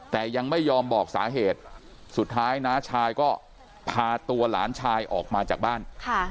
แต่ยังไม่ยอมบอกสาเหตุสุดท้ายน้าชายก็พาตัวหลานชายออกมาจากบ้าน